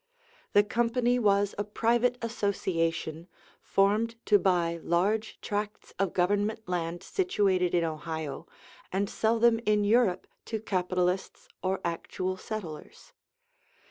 The company was a private association, formed to buy large tracts of government land situated in Ohio and sell them in Europe to capitalists or actual settlers.